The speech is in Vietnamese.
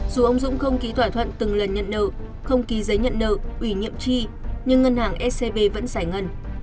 dù ông dũng không ký thỏa thuận từng lần nhận nợ không ký giấy nhận nợ ủy nhiệm tri nhưng ngân hàng scb vẫn giải ngân